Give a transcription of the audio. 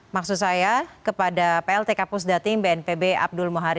maksud saya kepada plt kapus dating bnpb abdul muhari